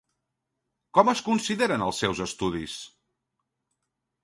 Com es consideren els seus estudis?